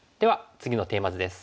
次のテーマ図です。